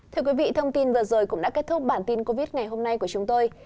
thưa quý vị thông tin vừa rồi cũng đã kết thúc bản tin covid ngày hôm nay của chúng tôi